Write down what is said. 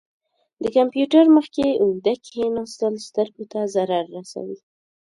د کمپیوټر مخ کې اوږده کښیناستل سترګو ته ضرر رسوي.